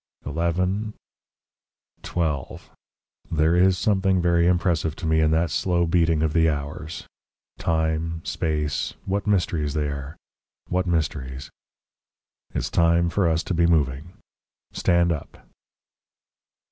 Eleven. Twelve. There is something very impressive to me in that slow beating of the hours. Time space; what mysteries they are! What mysteries.... It's time for us to be moving. Stand up!"